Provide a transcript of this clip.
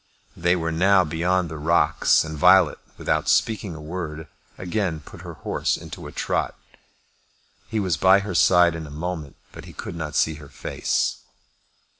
They were now beyond the rocks, and Violet, without speaking a word, again put her horse into a trot. He was by her side in a moment, but he could not see her face.